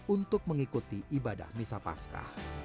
untuk mengikuti ibadah misa pasca